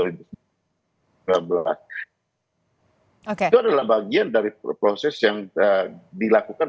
itu adalah bagian dari proses yang dilakukan